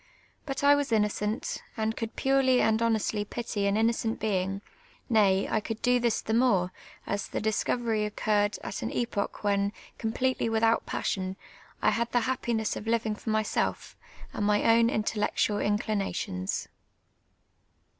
But 1 was innocent, and could ])urely and honestly pity an innocent bein;^ ; nay, I could do tliis the more, as the iliscover} occurred at an epoch when, completely without passion, I had the happiness of liviu!' for mvself and mv own intellectual inclinations.